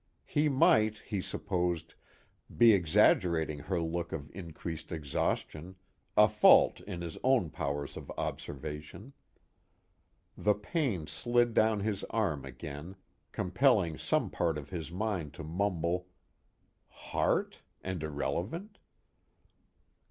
He might, he supposed, be exaggerating her look of increased exhaustion, a fault in his own powers of observation. The pain slid down his arm again, compelling some part of his mind to mumble: _Heart? and irrelevant?